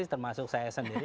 termasuk saya sendiri